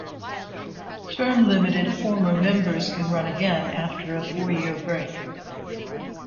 Term-limited former members can run again after a four-year break.